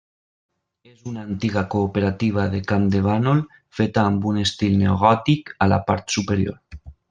És una antiga cooperativa de Campdevànol, feta amb un estil neogòtic a la part superior.